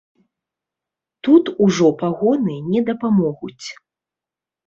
Тут ужо пагоны не дапамогуць.